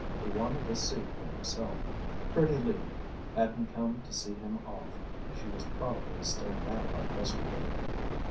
He wanted to see for himself. Pretty Lee hadn't come to see him off. She was probably still mad about yesterday.